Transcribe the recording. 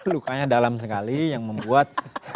lukanya dalam sekali yang membuat